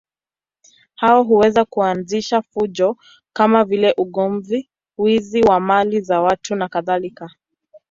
Hao huweza kuanzisha fujo kama vile ugomvi, wizi wa mali za watu nakadhalika.